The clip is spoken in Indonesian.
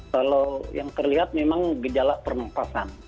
kalau yang terlihat memang gejala pernafasan